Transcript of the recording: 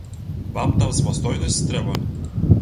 Вам там самастойнасць трэба?